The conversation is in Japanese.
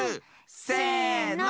せの！